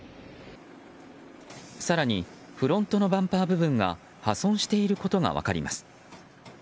更にフロントのバンパー部分が破損していることが分かります。